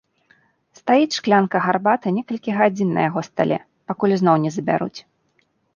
Стаіць шклянка гарбаты некалькі гадзін на яго стале, пакуль зноў не забяруць.